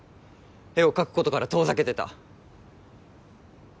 絵を描くことから遠ざけてた。